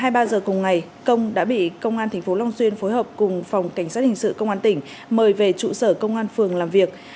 hai mươi ba h cùng ngày công đã bị công an tp long xuyên phối hợp cùng phòng cảnh sát hình sự công an tỉnh mời về trụ sở công an phường làm việc